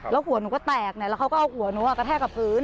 แล้วหัวหนูก็แตกแล้วเขาก็เอาหัวหนูกระแทกกับพื้น